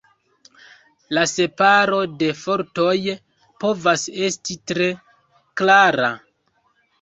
La separo de fortoj povas esti tre klara.